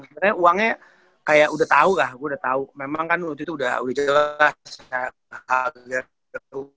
sebenernya uangnya kayak udah tau lah gue udah tau memang kan waktu itu udah jelas